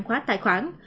khóa tài khoản